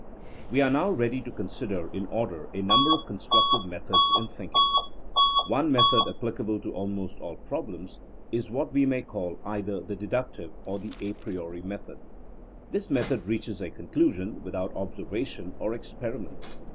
We are now ready to consider in order a num ber of constructive methods in thinking. One method applicable to almost all problems is what we may call either the dedtictive or the a priori method. This method reaches a con clusion without observation or experiment.